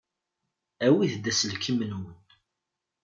Awit-d aselkim-nwen.